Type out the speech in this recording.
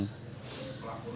ibu selaku istri dari bapak sofyan